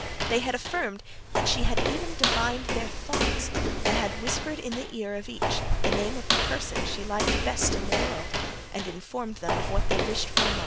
They affirmed that she had even divined their thoughts, and had whispered in the ear of each the name of the person she liked best in the world, and informed them of what they most wished for.